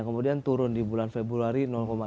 kemudian turun di bulan februari dua puluh enam